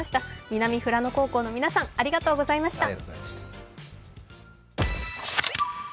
南富良野高校の皆さん、ありがとうございました。